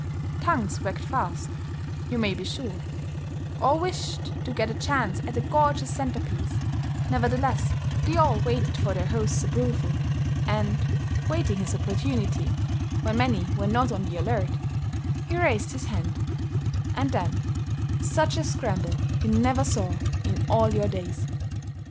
Tongues wagged fast, you may be sure; all wished to get a chance at the gorgeous centrepiece, nevertheless, they all waited for their host's approval, and, waiting his opportunity, when many were not on the alert, he raised his hand, and then such a scramble you never saw in all your days.